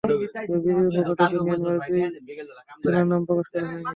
তবে বিজিবির পক্ষ থেকে মিয়ানমারের দুই সেনার নাম প্রকাশ করা হয়নি।